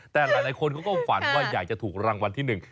แต่หลายคนเขาก็ฝันว่าอยากจะถูกรางวัลที่หนึ่ง